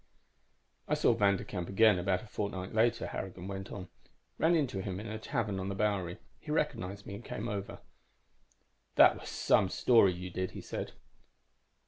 _"I saw Vanderkamp again about a fortnight later," Harrigan went on. "Ran into him in a tavern on the Bowery. He recognized me and came over. "'That was some story you did,' he said.